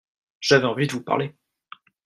j'avais envie de vous parler.